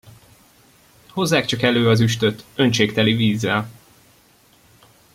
Hozzák csak elő az üstöt, öntsék teli vízzel!